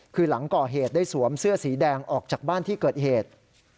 คือหลังก่อเหตุได้สวมเสื้อสีแดงออกจากบ้านที่เกิดเหตุ